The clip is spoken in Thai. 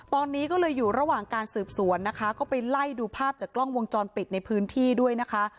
ตอนนี้ก็เลยอยู่ระหว่างการสืบสวนนะคะก็ไปไล่ดูภาพจากกล้องวงจรปิดในพื้นที่ด้วยนะคะ